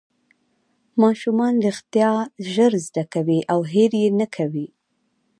ماشومان رښتیا ژر زده کوي او هېر یې نه کوي